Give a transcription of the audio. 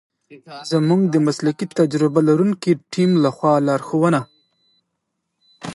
زمونږ د مسلکي تجربه لرونکی تیم لخوا لارښونه